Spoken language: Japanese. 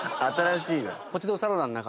新しいな。